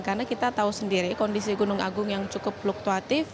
karena kita tahu sendiri kondisi gunung agung yang cukup fluktuatif